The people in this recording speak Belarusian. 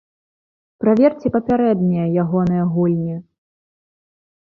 Праверце папярэднія ягоныя гульні.